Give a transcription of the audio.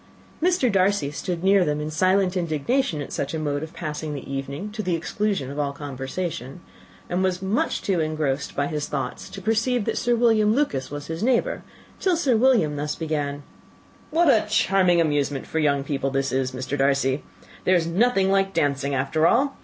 Mr. Darcy stood near them in silent indignation at such a mode of passing the evening, to the exclusion of all conversation, and was too much engrossed by his own thoughts to perceive that Sir William Lucas was his neighbour, till Sir William thus began: "What a charming amusement for young people this is, Mr. Darcy! There is nothing like dancing, after all.